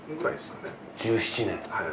１７年。